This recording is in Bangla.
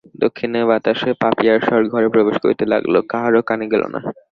দক্ষিণে বাতাসে পাপিয়ার স্বর ঘরে প্রবেশ করিতে লাগিল, কাহারো কানে গেল না।